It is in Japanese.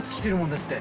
だって。